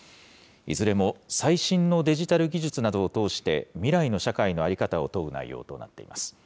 いずれも最新のデジタル技術などを通して、未来の社会の在り方を問う内容となっています。